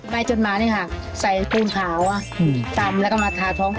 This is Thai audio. ใบจดหมารี่ใสการผูชาวทำแล้วก็มาทาร์ท